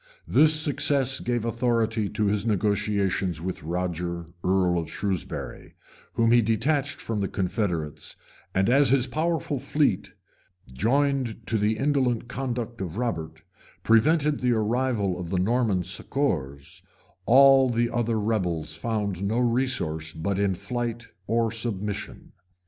[*] This success gave authority to his negotiations with Roger, earl of Shewsbury, whom he detached from the confederates; and as his powerful fleet, joined to the indolent conduct of Robert, prevented the arrival of the Norman succors, all the other rebels found no resource but in flight or submission.